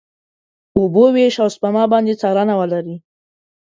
اوبو وېش، او سپما باندې څارنه ولري.